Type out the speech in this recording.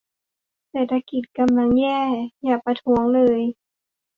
เศรษฐกิจกำลังแย่ อย่าประท้วงเลย